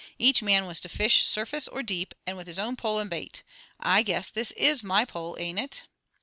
Each man was to fish surface or deep, and with his own pole and bait. I guess this IS my pole, ain't it?"